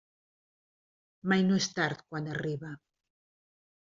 Mai no és tard quan arriba.